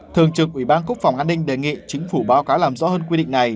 thường trực ủy ban quốc phòng an ninh đề nghị chính phủ báo cáo làm rõ hơn quy định này